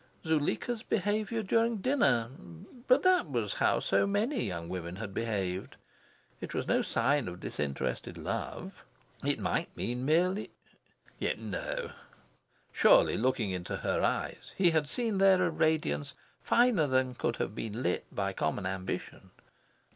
Zuleika's behaviour during dinner... But that was how so many young women had behaved. It was no sign of disinterested love. It might mean merely... Yet no! Surely, looking into her eyes, he had seen there a radiance finer than could have been lit by common ambition.